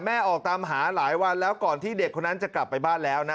ออกตามหาหลายวันแล้วก่อนที่เด็กคนนั้นจะกลับไปบ้านแล้วนะ